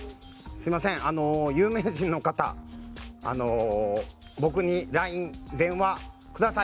すみません、有名人の方僕にＬＩＮＥ、電話ください！